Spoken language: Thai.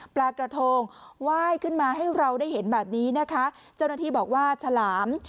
ปลากระทงไหว้ขึ้นมาให้เราได้เห็นแบบนี้นะคะเจ้าหน้าที่บอกว่าฉลาม